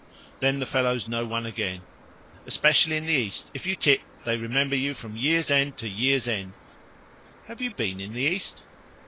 "Then the fellows know one again. Especially in the East, if you tip, they remember you from year's end to year's end. "Have you been in the East?"